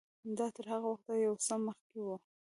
دا تر هغه وخته یو څه مخکې و.